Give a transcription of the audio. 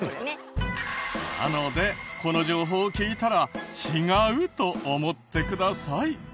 なのでこの情報を聞いたら違うと思ってください。